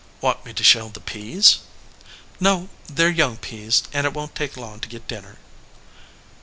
"Want me to shell the peas?" "No, they re young peas, and it won t take long to get dinner."